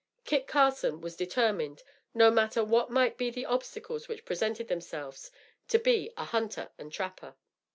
Kit Carson was determined, no matter what might be the obstacles which presented themselves, to be a hunter and trapper.